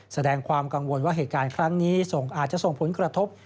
แสดงความกังวลว่าเหตุการณ์ครั้งนี้ส่งอาจจะส่งผลกระทบ